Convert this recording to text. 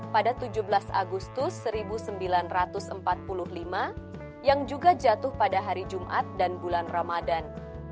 pada tujuh belas agustus seribu sembilan ratus empat puluh lima yang juga jatuh pada hari jumat dan bulan ramadan